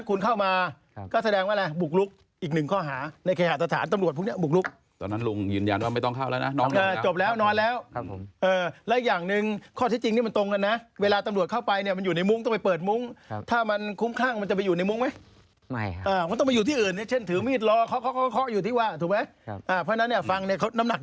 ครับผมเพราะฉะนั้นคุณเข้ามาก็แสดงว่าอะไรบุกลุก